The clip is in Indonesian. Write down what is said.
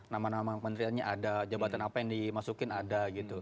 nama nama kementeriannya ada jabatan apa yang dimasukin ada gitu